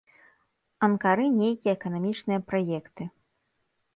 Анкары нейкія эканамічныя праекты.